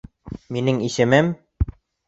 Минең исемем...